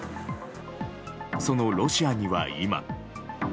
そのロシアには今。